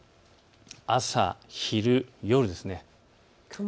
朝、昼、夜です。